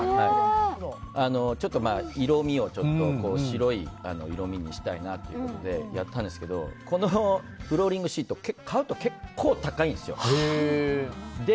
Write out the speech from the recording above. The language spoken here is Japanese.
ちょっと色味を白い色味にしたいなということでやったんですけどこのフローリングシート買うと結構高いんですよ。